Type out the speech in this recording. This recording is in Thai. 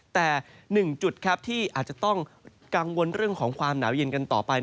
แต่๑จุดครับที่อาจจะต้องกังวลเรื่องของความหนาวเย็นกันต่อไป